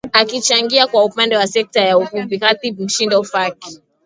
Akichangia kwa upande wa sekta ya uvuvi Khatib Mshindo Faki